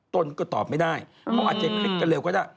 ตนก็ตอบไม่ได้เขาอาจจะคลิกกันเร็วก็ได้